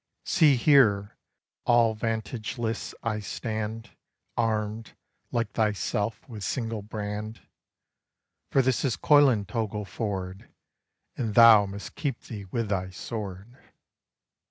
See here, all vantageless I stand, Armed, like thyself, with single brand: For this is Coilantogle ford, And thou must keep thee with thy sword."